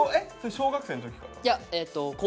小学生の時から？